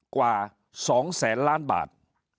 กว่า๒แสนล้านบาท